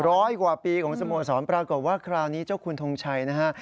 ร้อยกว่าปีของสโมสรปรากฏว่าคราวนี้เจ้าคุณทงชัยนะฮะ